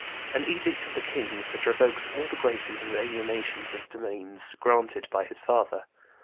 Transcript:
An edict of the king's had revoked all the graces and alienations of domains granted by his father.